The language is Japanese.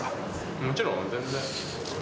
もちろん、全然。